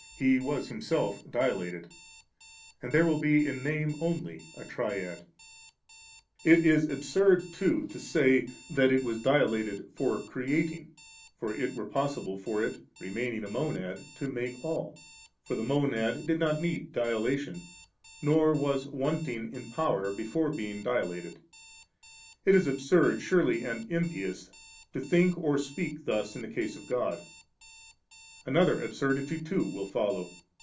He was Himsdf dilated; and there will be in name only a Triad. It is absurd too to say that it was dilated for creating ; for it were possible for it, remaining a Monad, to make all; for the Monad did not need dilatation, nor was wanting in power before being dilated ; it is absiud surely and impious, to think or speak thus in the case of God Another absurdity too will follow.